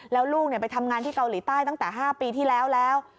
แล้วลูกไปทำงานที่เกาหลีใต้ตั้งแต่๕ปีที่แล้วแล้ว